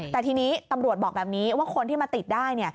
แต่ทีนี้ตำรวจบอกแบบนี้ว่าคนที่มาติดได้